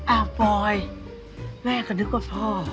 ปอยแม่ก็นึกว่าพ่อ